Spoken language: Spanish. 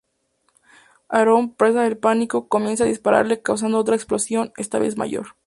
Aaron, presa del pánico, comienza a dispararle causando otra explosión, esta vez mayor.